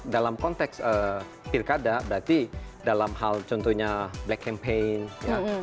dalam konteks pilkada berarti dalam hal contohnya black campaign fitnah gotoh dan lain lain